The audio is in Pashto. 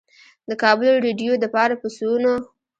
د کابل رېډيؤ دپاره پۀ سوونو